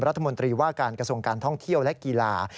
รัฐมนตรีว่าการกระทรวงการท่องเที่ยวและกีฬา